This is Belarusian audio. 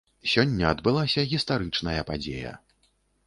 Сёння адбылася гістарычная падзея.